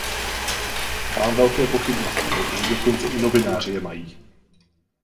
Mám velké pochybnosti, protože dokonce i novináři je mají.